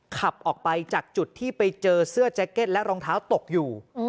ขับออกไปจากจุดที่ไปเจอเสื้อแจ็คเก็ตและรองเท้าตกอยู่